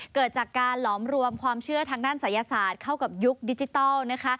เกิดจากการหลอมรวมความเชื่อทางด้านศัยศาสตร์เข้ากับยุคดิจิทัลนะคะ